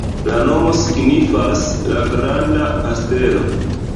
La nomo signifas: "la granda kastelo".